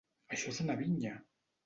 Això és una vinya!